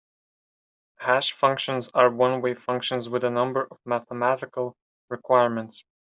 Hash functions are one-way functions with a number of mathematical requirements.